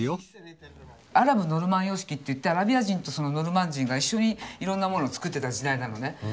アラブ・ノルマン様式っていってアラビア人とノルマン人が一緒にいろんなものを作ってた時代なのね。